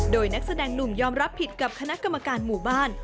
โดยนักแสดงหนุ่มยอมรับผิดกับคณะกรรมการหมู่บ้าน